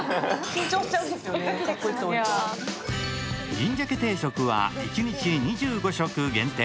銀鮭定食は一日２５食限定。